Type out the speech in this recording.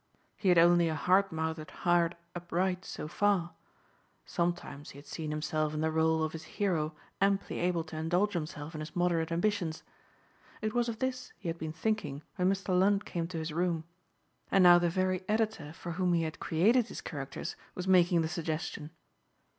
He had only a hard mouthed hired upright so far. Sometimes he had seen himself in the rôle of his hero amply able to indulge himself in his moderate ambitions. It was of this he had been thinking when Mr. Lund came to his room. And now the very editor for whom he had created his characters was making the suggestion.